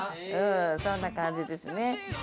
そんな感じですね。